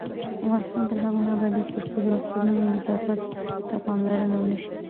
افغانستان تر هغو نه ابادیږي، ترڅو د روغتونونو نظافت ته پاملرنه ونشي.